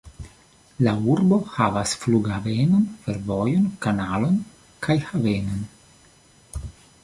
La urbo havas flughavenon, fervojon, kanalon kaj havenon.